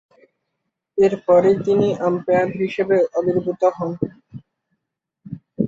এরপরই তিনি আম্পায়ার হিসেবে আবির্ভূত হন।